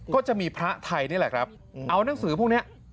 ก็จะมีพระไทยนี่แหละครับเอานังสือพวกนี้